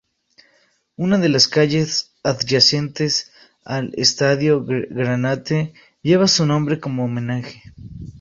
Una de las calles adyacentes al estadio "Granate" lleva su nombre como homenaje.